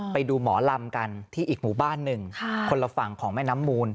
ไปดูหมอลำกันที่อีกหมู่บ้านหนึ่งคนละฝั่งของแม่น้ำมูล